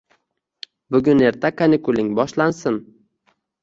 Bugun-erta kanikuling boshlansin